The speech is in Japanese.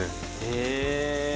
へえ。